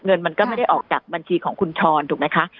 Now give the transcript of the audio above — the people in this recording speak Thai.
เงินมันก็ไม่ได้ออกจากบัญชีของคุณชรถูกไหมคะ